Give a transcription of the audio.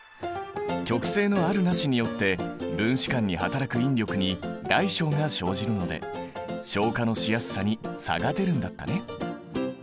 極性のあるなしによって分子間にはたらく引力に大小が生じるので昇華のしやすさに差が出るんだったね。